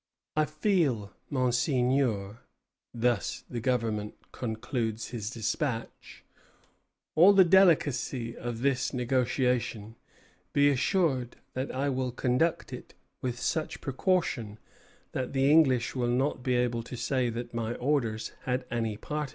"I feel, Monseigneur," thus the Governor concludes his despatch, "all the delicacy of this negotiation; be assured that I will conduct it with such precaution that the English will not be able to say that my orders had any part in it."